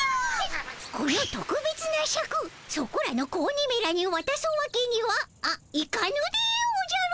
このとくべつなシャクそこらの子鬼めらにわたすわけにはあいかぬでおじゃる。